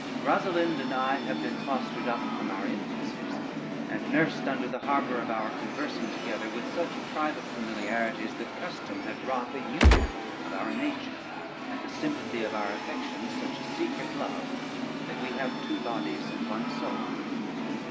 Rosalynde and I have been fostered up from our infancies, and nursed under the harbor of our conversing together with such private familiarities, that custom had wrought a union of our nature, and the sympathy of our affections such a secret love, that we have two bodies and one soul.